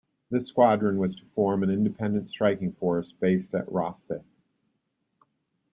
This squadron was to form an independent striking force based at Rosyth.